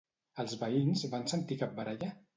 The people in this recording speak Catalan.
Els veïns van sentir cap baralla?